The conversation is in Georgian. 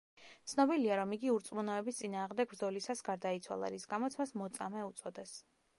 ცნობილია, რომ იგი „ურწმუნოების“ წინააღმდეგ ბრძოლისას გარდაიცვალა, რის გამოც, მას „მოწამე“ უწოდეს.